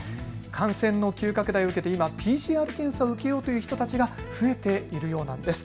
感染の急拡大を受けて今、ＰＣＲ検査を受けようという人たちが増えているようなんです。